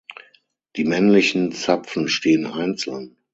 Die männlichen Zapfen stehen einzeln.